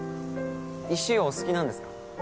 石お好きなんですか？